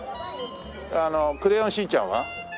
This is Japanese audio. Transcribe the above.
あの『クレヨンしんちゃん』は？